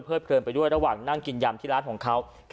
เพลินไปด้วยระหว่างนั่งกินยำที่ร้านของเขา